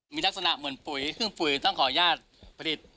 มีลักษณะเหมือนปุ๋ยครึ่งปุ๋ยต้องขออนุญาตผลิต